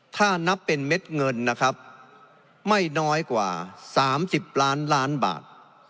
ถ้านับเป็นเม็ดเงินนะครับไม่น้อยกว่า๓๐ล้านล้านบาท